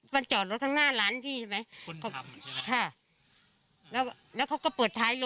บุ้มเลย